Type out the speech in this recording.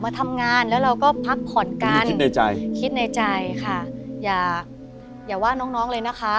มาทำงานแล้วเราก็พักผ่อนกันคิดในใจคิดในใจค่ะอย่าอย่าว่าน้องน้องเลยนะคะ